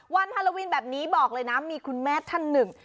วันฮาระวินบอกเลยนะมีแม่ท่านหนึ่ง